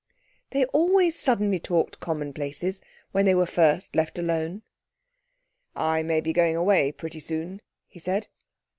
They always suddenly talked commonplaces when they were first left alone. 'I may be going away pretty soon,' he said.